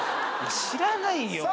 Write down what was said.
知らないよ。